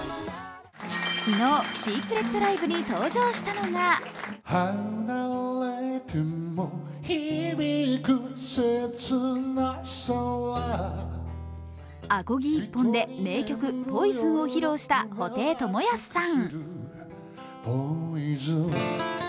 昨日、シークレットライブに登場したのがアコギ１本で名曲「ＰＯＩＳＯＮ」を披露した布袋寅泰さん。